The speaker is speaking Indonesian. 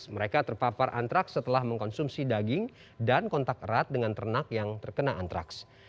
mereka terpapar antraks setelah mengkonsumsi daging dan kontak erat dengan ternak yang terkena antraks